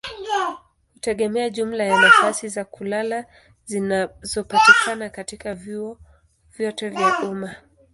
hutegemea jumla ya nafasi za kulala zinazopatikana katika vyuo vyote vya umma.